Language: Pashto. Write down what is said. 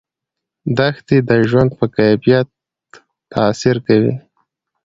دښتې د ژوند په کیفیت تاثیر کوي.